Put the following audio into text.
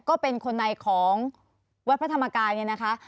ก็เป็นคนในของวัดพระธรรมกายเนี่ยนะคะ